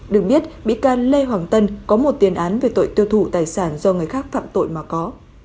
được biết bị can lê hoàng tân có một tiền án về tội tiêu thụ tài sản do người khác phạm tội mà có